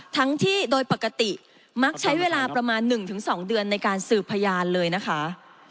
ทั้งที่โดยปกติมักใช้เวลาประมาณ๑๒เดือนในการสืบพยานเลยนะคะ